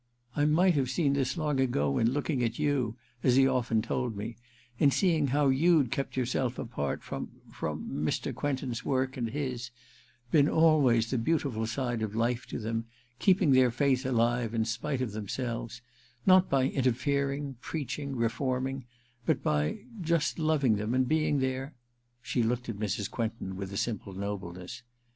I might have seen this long ago in looking at you — as he often told me — in seeing how you'd kept yourself apart from — from — Mr. Quentin*s work and his — been always the beautiful side of life to them — ^kept their faith alive in spite of themselves — not by interfering, preaching, reforming, but by — just loving them and being there * She looked at Mrs. Quentin with a simple nobleness.